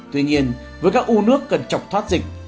tuy nhiên với các u nước cần chọc thoát dịch